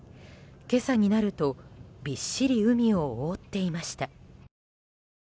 今朝になるとびっしり海を覆っていました。